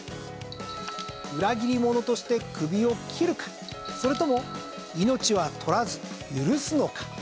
裏切り者として首を斬るかそれとも命は取らず許すのか。